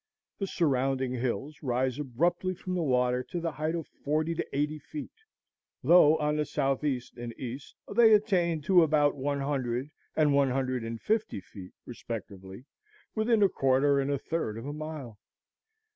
The surrounding hills rise abruptly from the water to the height of forty to eighty feet, though on the south east and east they attain to about one hundred and one hundred and fifty feet respectively, within a quarter and a third of a mile.